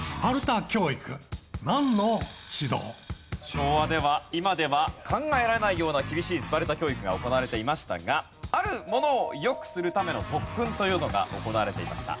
昭和では今では考えられないような厳しいスパルタ教育が行われていましたが「あるもの」を良くするための特訓というのが行われていました。